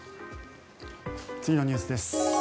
次のニュースです。